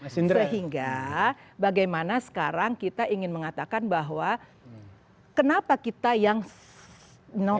sehingga bagaimana sekarang kita ingin mengatakan bahwa kenapa kita yang notabene kelas menengah ini